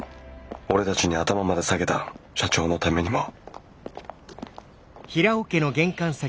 俺たちに頭まで下げた社長のためにも。